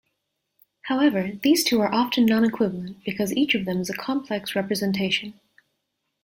However, these two are often non-equivalent, because each of them is a complex representation.